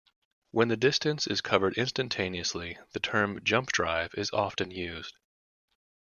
When the distance is covered instantaneously, the term jump drive is often used.